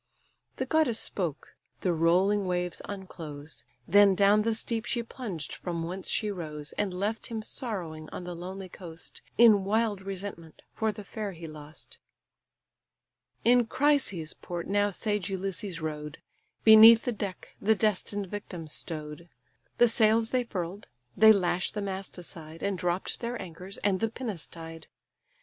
The goddess spoke: the rolling waves unclose; Then down the steep she plunged from whence she rose, And left him sorrowing on the lonely coast, In wild resentment for the fair he lost. In Chrysa's port now sage Ulysses rode; Beneath the deck the destined victims stow'd: The sails they furl'd, they lash the mast aside, And dropp'd their anchors, and the pinnace tied.